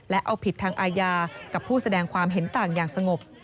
และเอาผิดทางอาญากับผู้แสดงความเห็นต่างอย่างสงบ